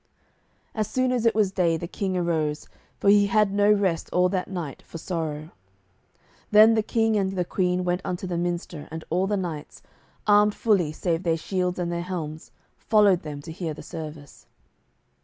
As soon as it was day the King arose, for he had no rest all that night for sorrow. Then the King and the Queen went unto the minster, and all the knights, armed fully save their shields and their helms, followed them to hear the service.